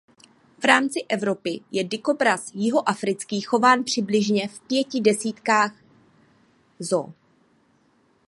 V rámci Evropy je dikobraz jihoafrický chován přibližně v pěti desítkách zoo.